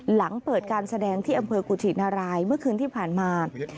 หลังเปิดการแสดงที่อำเภอกุชินารายเมื่อคืนที่ผ่านมา